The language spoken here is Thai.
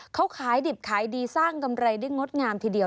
เขาขายดิบขายดีสร้างกำไรได้งดงามทีเดียว